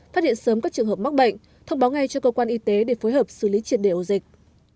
phát hiện sớm các trường hợp mắc bệnh thông báo ngay cho cơ quan y tế để phối hợp xử lý triệt đề ổ dịch